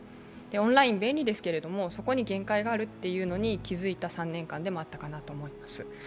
オンライン、便利ですけど、そこに限界があることに気付いた３年間でもあったかなと思います。